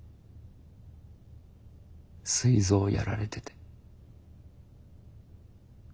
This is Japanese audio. すい臓やられてて。